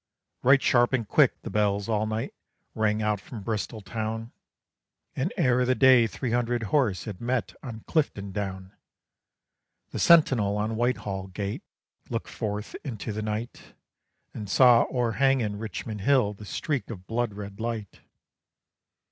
Right sharp and quick the bells all night rang out from Bristol town, And ere the day three hundred horse had met on Clifton down; The sentinel on Whitehall gate looked forth into the night, And saw o'erhanging Richmond Hill the streak of blood red light.